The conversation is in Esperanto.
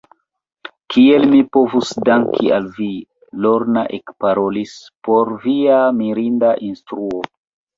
Kiel mi povus danki al vi, Lorna ekparolis, por via mirinda instruo.